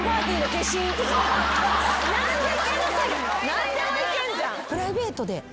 ・何でもいけんじゃん。